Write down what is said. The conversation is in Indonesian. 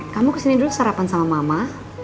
kamu kesini dulu sarapan sama mama